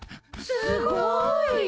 すごーい！